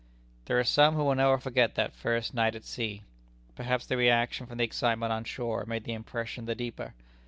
There are some who will never forget that first night at sea. Perhaps the reaction from the excitement on shore made the impression the deeper.